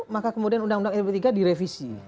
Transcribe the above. maka kemudian undang undang sp tiga direvisi